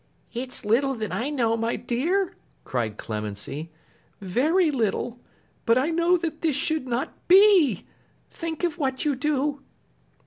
'It's little that I know, my dear,' cried Clemency, 'very little; but I know that this should not be. Think of what you do!